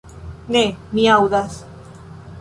Ne, mi aŭdas.